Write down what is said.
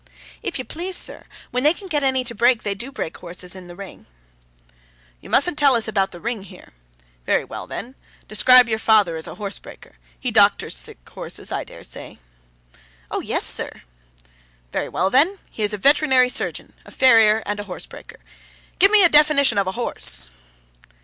'If you please, sir, when they can get any to break, they do break horses in the ring, sir.' 'You mustn't tell us about the ring, here. Very well, then. Describe your father as a horsebreaker. He doctors sick horses, I dare say?' 'Oh yes, sir.' 'Very well, then. He is a veterinary surgeon, a farrier, and horsebreaker. Give me your definition of a horse.